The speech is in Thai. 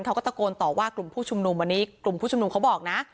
เขาก็ตะโกนต่อว่ากลุ่มผู้ชุมนุมอันนี้กลุ่มผู้ชุมนุมเขาบอกนะ